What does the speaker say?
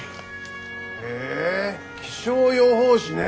へえ気象予報士ねえ！